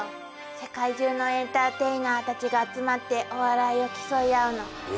世界中のエンターテイナーたちが集まってお笑いを競い合うの。え。